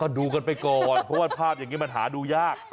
ดูกันไปก่อนเพราะว่าภาพอย่างนี้มันหาดูยาก